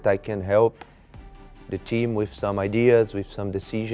ผมรู้การช่วยที่ทีมอยู่ที่เพียงสิ่งชนิดผิด